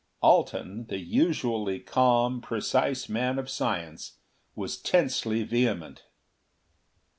Alten, the usually calm, precise man of science, was tensely vehement.